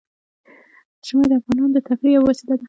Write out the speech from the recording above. ژمی د افغانانو د تفریح یوه وسیله ده.